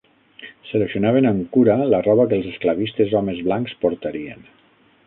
Seleccionaven amb cura la roba que els esclavistes homes blancs portarien.